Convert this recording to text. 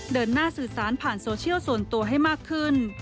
เดินหน้าสื่อสารผ่านโซเชียลส่วนตัวให้มากขึ้น